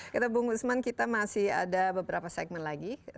kita bu guzman kita masih ada beberapa segmen lagi